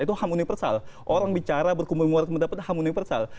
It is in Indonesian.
itu universal orang bicara berkembang ke luar kependapatan itu universal